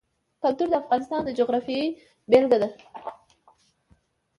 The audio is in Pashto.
کلتور د افغانستان د جغرافیې بېلګه ده.